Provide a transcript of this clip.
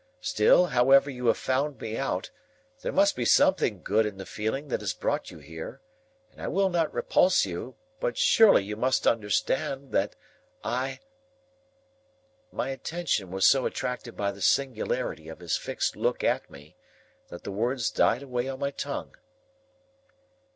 Still, however you have found me out, there must be something good in the feeling that has brought you here, and I will not repulse you; but surely you must understand that—I—" My attention was so attracted by the singularity of his fixed look at me, that the words died away on my tongue.